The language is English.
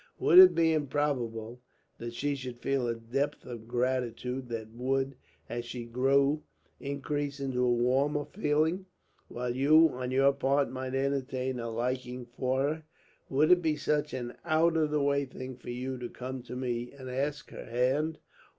Would it be improbable that she should feel a depth of gratitude that would, as she grew, increase into a warmer feeling; while you, on your part, might entertain a liking for her? Would it be such an out of the way thing for you to come to me, and ask her hand?